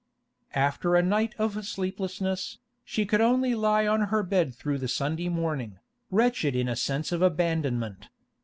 After a night of sleeplessness, she could only lie on her bed through the Sunday morning, wretched in a sense of abandonment.